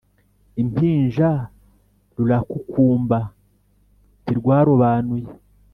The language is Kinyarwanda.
impinja rurakukumba ntirwarobanuye